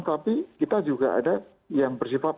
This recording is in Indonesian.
tapi kita juga ada yang bersifat